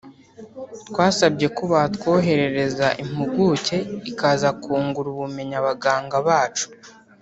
twasabye ko batwoherereza impuguke ikaza kungura ubumenyi abaganga bacu